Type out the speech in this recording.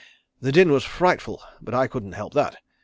The din was frightful but I couldn't help that.